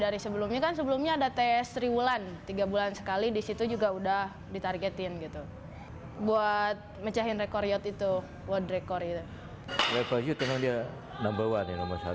reba yu memang dia number one ya